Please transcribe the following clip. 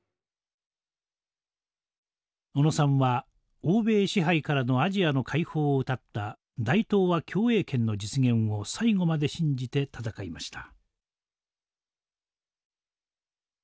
小野さんは欧米支配からのアジアの解放をうたった大東亜共栄圏の実現を最後まで信じて戦いました。